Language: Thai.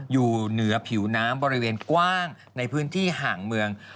อยู่เหนือผิวน้ำบริเวณกว้างในพื้นที่ห่างเมือง